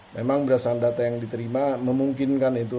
memang berdasarkan data yang diterima memungkinkan itu